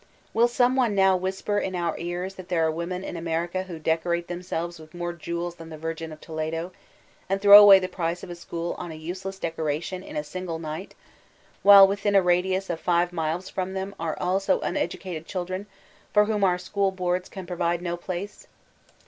Win some one now whisper in our ears that there are Feancisoo Femmem, 907 women in America who decorate themselves with more jewels than the Virgin of Toledo, and throw away the price of a school on a useless decoration in a single night ; while within a radius of five miles from them there are abo uneducated children, for whom our School Boards can provide no place?